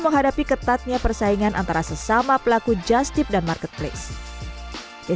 menghadapi ketatnya persaingan antara sesama pelaku jastip dan marketplace